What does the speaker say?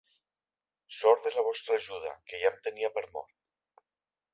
Sort de la vostra ajuda, que ja em tenia per mort.